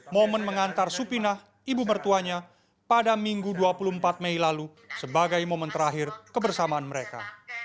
momen mengantar supinah ibu mertuanya pada minggu dua puluh empat mei lalu sebagai momen terakhir kebersamaan mereka